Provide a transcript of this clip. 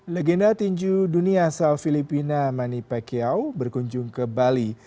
legenda tinju dunia asal filipina mani pekiau berkunjung ke bali